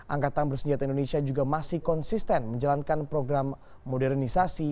angkatan bersenjata indonesia juga masih konsisten menjalankan program modernisasi